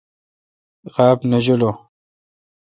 غاب نہ جولوں۔